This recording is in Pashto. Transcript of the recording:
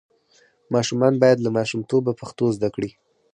ماشومان باید له ماشومتوبه پښتو زده کړي.